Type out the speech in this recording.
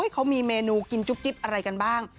เขามีเมนูกินจุ๊บจิ๊บอะไรกันบ้าง